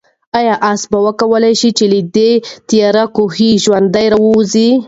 آیا آس به وکولای شي چې له دې تیاره کوهي ژوندی ووځي؟